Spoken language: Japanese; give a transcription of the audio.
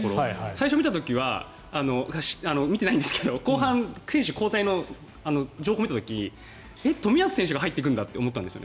最初見た時は見てないんですけど後半、選手交代の情報を見た時に冨安選手が入ってくるんだって思ったんです。